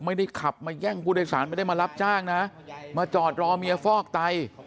ไม่ได้ขับมาแย่งผู้โดยสารไม่ได้มารับจ้างนะมาจอดรอเมียฟอกไต